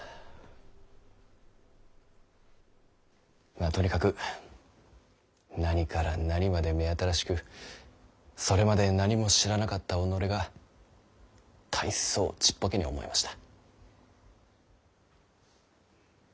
まあとにかく何から何まで目新しくそれまで何も知らなかった己が大層ちっぽけに思えました。